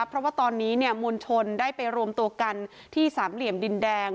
เพราะว่าตอนนี้เนี่ยมวลชนได้ไปรวมตัวกันที่สามเหลี่ยมดินแดง